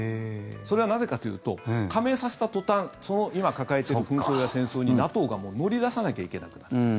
それは、なぜかというと加盟させた途端今、抱えている紛争や戦争にＮＡＴＯが乗り出さなきゃいけなくなる。